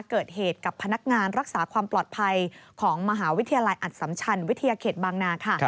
เกิดเหตุกับพนักงานรักษาความปลอดภัยของมหาวิทยาลัยอัตสัมชันวิทยาเขตบางนาค่ะ